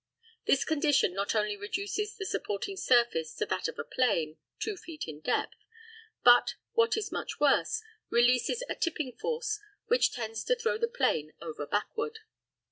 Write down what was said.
This condition not only reduces the supporting surface to that of a plane two feet in depth, but, what is much worse, releases a tipping force which tends to throw the plane over backward.